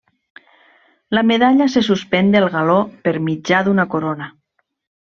La medalla se suspèn del galó per mitjà d'una corona.